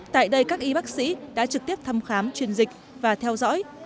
tại đây các y bác sĩ đã trực tiếp thăm khám truyền dịch và theo dõi